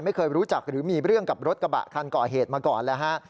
ไม่เคยรู้จักหรือมีเรื่องกับรถกระบะคันก่อเหตุมาก่อนแล้วฮะ